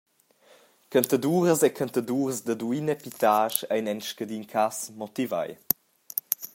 Cantaduras e cantadurs da Duin e Pitasch ein en scadin cass motivai.